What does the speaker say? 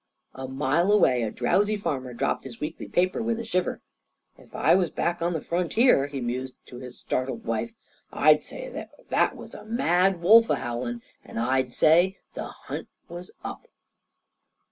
A mile away a drowsy farmer dropped his weekly paper with a shiver. "If I was back on the frontier," he mused to his startled wife, "I'd say that was a mad wolf a howlin' and I'd say the hunt was up!"